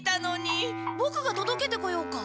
ボクが届けてこようか？